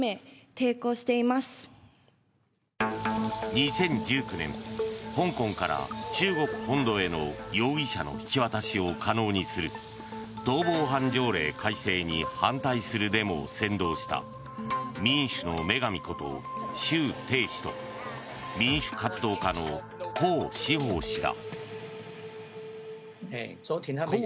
２０１９年香港から中国本土への容疑者の引き渡しを可能にする逃亡犯条例改正に反対するデモを扇動した民主の女神ことシュウ・テイ氏と民主活動家のコウ・シホウ氏だ。